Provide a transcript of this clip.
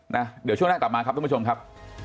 นะเดี๋ยวช่วงหน้ากลับมาครับทุกผู้ชมครับ